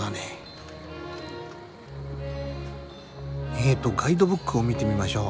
えっとガイドブックを見てみましょう。